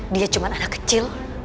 dia cuma anak kecil